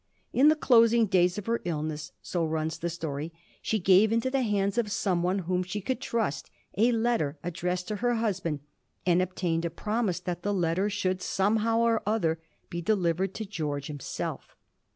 In the closing days of her iUness, so runs the story, she gave into the hands of some one whom she could trust a letter, addressed to her husband, and obtained a promise that the letter should, somehow or other, be delivered to George himself.